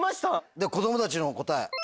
では子供たちの答え。